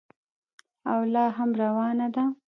او لا هم روانه ده.